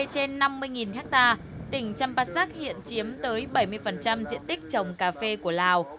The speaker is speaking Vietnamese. trên năm mươi hectare tỉnh champasak hiện chiếm tới bảy mươi diện tích trồng cà phê của lào